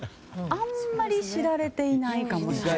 あんまり知られていないかもしれない。